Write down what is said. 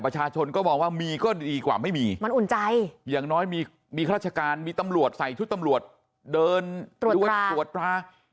ประชาชนก็มองว่ามีก็ดีกว่าไม่มีมันอุ่นใจอย่างน้อยมีมีข้าราชการมีตำรวจใส่ชุดตำรวจเดินตรวจดวนตรวจตรา